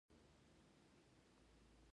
تجربو صنعتي پانګوالو ته یوه لار ښودلې ده